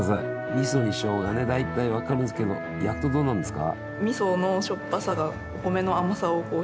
みそにしょうがね大体分かるんですけど焼くとどうなんですか？